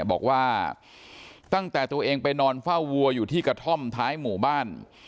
บอกว่าตั้งแต่ตัวเองไปนอนเฝ้าวัวอยู่ที่กระท่อมท้ายหมู่บ้าน